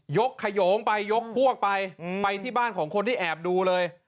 ขยงไปยกพวกไปไปที่บ้านของคนที่แอบดูเลย